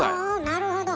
おなるほど。